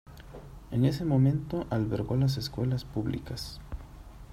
En ese momento albergó las escuelas públicas.